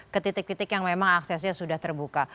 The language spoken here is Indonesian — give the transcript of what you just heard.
ketitik titik yang memang aksesnya sudah terbuka